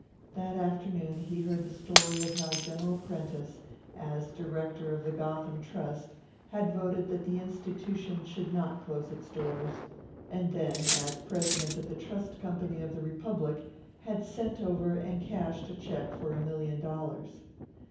That afternoon he heard the story of how General Prentice, as a director of the Gotham Trust, had voted that the institution should not close its doors, and then, as president of the Trust Company of the Republic, had sent over and cashed a check for a million dollars.